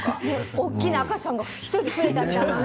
大きな赤ちゃんが１人増えたみたいなね。